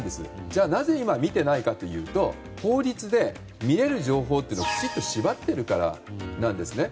じゃあなぜ今、見てないかというと法律で見れる情報をきちっと縛っているからですね。